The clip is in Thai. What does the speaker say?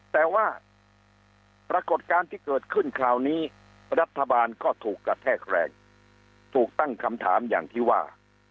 แต่ว่าปรากฏการณ์ที่เกิดขึ้นคราวนี้รัฐบาลก็ถูกกระแทกแรงถูกตั้งคำถามอย่างที่ว่า